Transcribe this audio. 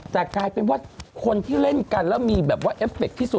แต่กลายเป็นว่าคนที่เล่นกันแล้วมีแบบว่าเอฟเคที่สุด